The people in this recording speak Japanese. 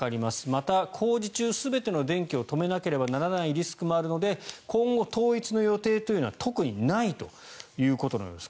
また、工事中全ての電気を止めなければならないリスクもあるので今後、統一の予定というのは特にないということなんです。